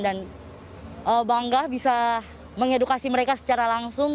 dan bangga bisa mengedukasi mereka secara langsung